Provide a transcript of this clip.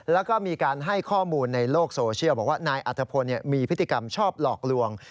แล้วก็มีการให้ข้อมูลในโลกโซเชียลบอกว่านายอัธพลมีพฤติกรรมชอบหลอกลวง